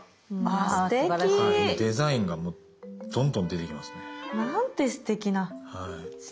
デザインがもうどんどん出てきますね。